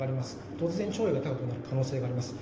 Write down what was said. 突然潮位が高くなる可能性があります。